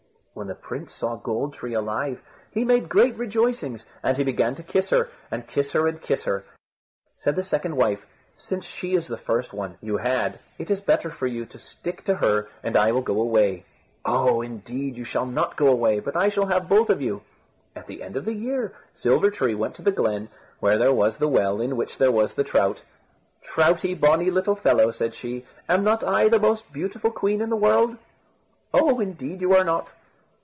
When the prince saw Gold tree alive he made great rejoicings, and he began to kiss her, and kiss her, and kiss her. Said the second wife, "Since she is the first one you had it is better for you to stick to her, and I will go away." "Oh! indeed you shall not go away, but I shall have both of you." At the end of the year, Silver tree went to the glen, where there was the well, in which there was the trout. "Troutie, bonny little fellow," said she, "am not I the most beautiful queen in the world?" "Oh! indeed you are not."